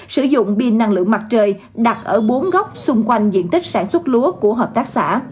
sử dụng pin năng lượng mặt trời đặt ở bốn góc xung quanh diện tích sản xuất lúa của hợp tác xã